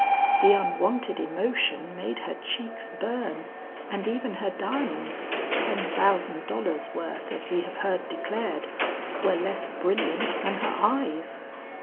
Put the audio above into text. The unwonted emotion made her cheeks burn, and even her diamonds, ten thousand dollars worth as we have heard declared, were less brilliant than her eyes.